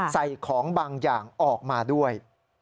ใส่ของบางอย่างออกมาด้วย